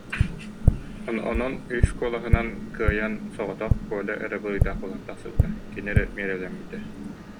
Онон үс куолаһынан кыайан соҕотох Коля эрэ буруйдаах буолан тахсыбыта, кини эрэ миэрэлэммитэ